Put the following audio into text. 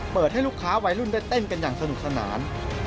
ให้ลูกค้าวัยรุ่นได้เต้นกันอย่างสนุกสนาน